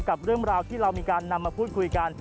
กับเรื่องราวที่เรามีการนำมาพูดคุยกัน